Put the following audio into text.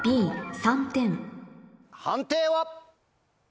判定は？